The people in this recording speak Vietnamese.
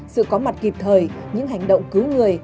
sự có mặt kịp thời những hành động cứu người